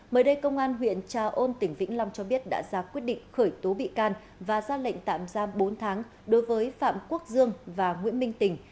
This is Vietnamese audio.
mới đây công an huyện trà ôn tỉnh vĩnh long cho biết đã ra quyết định khởi tố bị can và ra lệnh tạm giam bốn tháng đối với phạm quốc dương và nguyễn minh tình